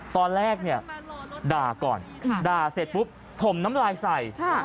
ตอนแรกเนี่ยด่าก่อนด่าเสร็จปุ๊บถมน้ำลายใส่